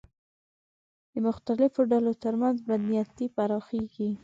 د مختلفو ډلو تر منځ بدنیتۍ پراخېږي